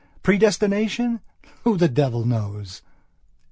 Predestination? Who the devil knows?